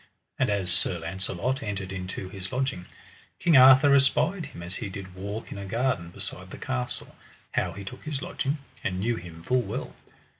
And as Sir Launcelot entered into his lodging, King Arthur espied him as he did walk in a garden beside the castle, how he took his lodging, and knew him full well.